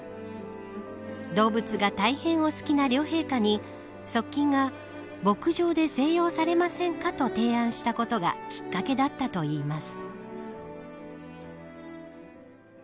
動物が大変をお好きな両陛下に側近が、牧場で静養されませんかと提案したことがきっかけだったといいます。